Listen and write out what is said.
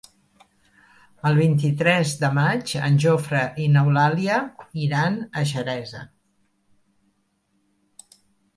El vint-i-tres de maig en Jofre i n'Eulàlia iran a Xeresa.